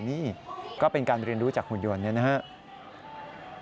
นี่ก็เป็นการเรียนรู้จากหุ่นยนต์เนี่ยนะครับ